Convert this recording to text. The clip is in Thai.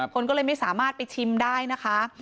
คนก็เลยไม่สามารถไปชิมได้นะคะ